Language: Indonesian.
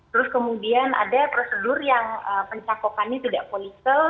terus kemudian ada prosedur yang pencakupannya tidak polisel